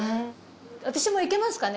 私も行けますかね？